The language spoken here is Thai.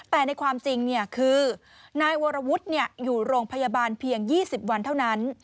แต่ในความจริงคือนายวรวุฒิอยู่โรงพยาบาลเพียง๒๐วันเท่านั้น